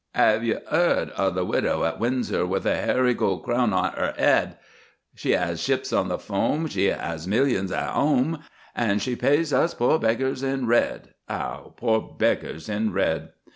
'Ave you 'eard o' the Widow at Windsor, With a hairy gold crown on 'er 'ead? She 'as ships on the foam she 'as millions at 'ome, An' she pays us poor beggars in red. ('Ow poor beggars in red!)